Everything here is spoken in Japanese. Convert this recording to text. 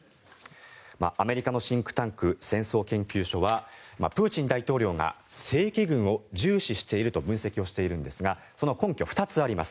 アメリカのシンクタンク戦争研究所はプーチン大統領が正規軍を重視していると分析しているんですがその根拠、２つあります。